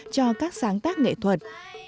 cho các sáng tác nghệ thuật